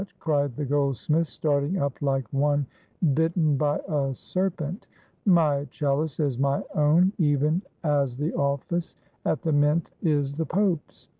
cried the goldsmith, starting up like one bitten by a serpent. "My chalice is my own, even as the office at the Mint is the Pope's.